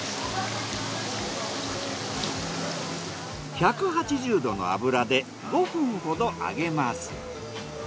１８０度の油で５分ほど揚げます。